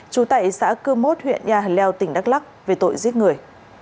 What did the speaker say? trú tại xã cư mốt huyện nhà hần leo tỉnh đắk lắc về tội giết người